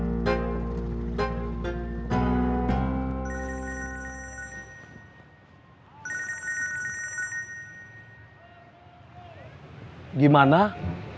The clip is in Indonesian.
bukan pony jangan sampai aku melawanmu